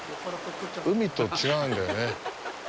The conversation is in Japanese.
海と違うんだよね。